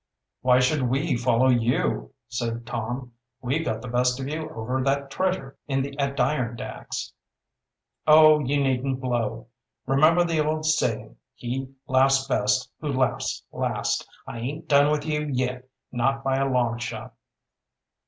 "Why should we follow you?" said Tom. "We got the best of you over that treasure in the Adirondacks." "Oh, you needn't blow. Remember the old saying, 'He laughs best who laughs last.' I aint done with you yet not by a long shot."